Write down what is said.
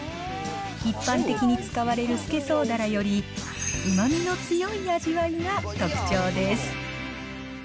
一般的に使われるスケソウダラより、うまみの強い味わいが特徴です。